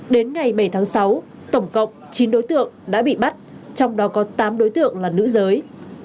đến ngày bảy tháng sáu tổng cộng chín đối tượng đã bị bắt trong đó có tám đối tượng là nữ giới